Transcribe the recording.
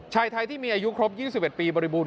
ชายไทยที่มีอายุครบ๒๑ปีบริบูรณ